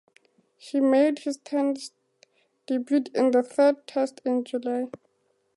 He made his Test debut in the third Test in July.